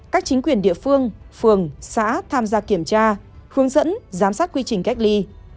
các chính quyền địa phương phường xã tham gia kiểm tra hướng dẫn giám sát quy trình cách ly